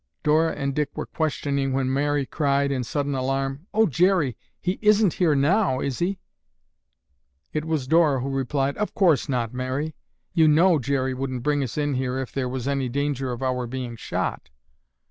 Dora and Dick were questioning when Mary cried in sudden alarm, "Oh, Jerry, he isn't here now, is he?" It was Dora who replied, "Of course not, Mary. You know Jerry wouldn't bring us in here if there was any danger of our being shot."